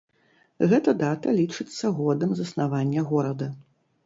Гэта дата лічыцца годам заснавання горада.